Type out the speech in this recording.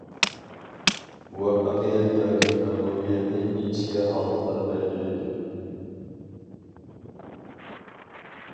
مۇۋەپپەقىيەت ياكى مەغلۇبىيەتنى ئىنچىكە ھالقىلار بەلگىلەيدۇ.